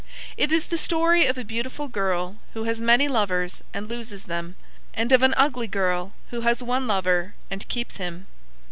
It is the story of a beautiful girl who has many lovers and loses them, and of an ugly girl who has one lover and keeps him.